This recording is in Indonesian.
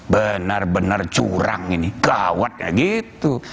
benar benar curang ini gawatnya gitu